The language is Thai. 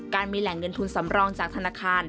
มีแหล่งเงินทุนสำรองจากธนาคาร